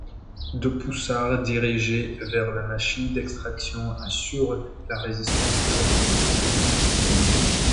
Deux poussards dirigés vers la machine d'extraction assurent la résistance de la structure.